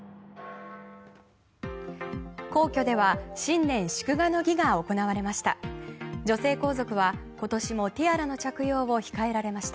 皇居では新年祝賀の儀が行われました。